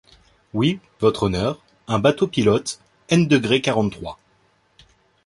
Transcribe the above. Oui, Votre Honneur, un bateau-pilote, n degré quarante-trois